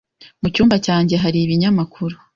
Mucyumba cyanjye hari ibinyamakuru.